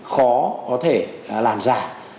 khó có thể làm giả